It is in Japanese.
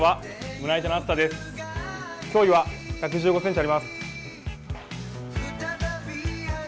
胸囲は１１５ｃｍあります。